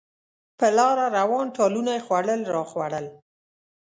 په لاره روان، ټالونه یې خوړل راخوړل.